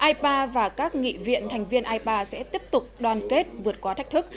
ipa và các nghị viện thành viên ipa sẽ tiếp tục đoàn kết vượt qua thách thức